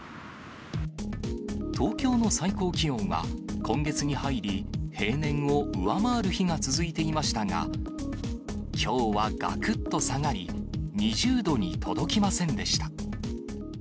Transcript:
東京の最高気温は今月に入り、平年を上回る日が続いていましたが、きょうはがくっと下がり、２０度に届きませんでした。